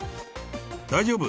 大丈夫！